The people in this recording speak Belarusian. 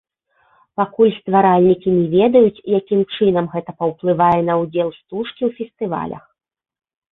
Пакуль стваральнікі не ведаюць, якім чынам гэта паўплывае на ўдзел стужкі ў фестывалях.